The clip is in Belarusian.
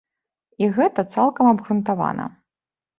І гэта цалкам абгрунтавана.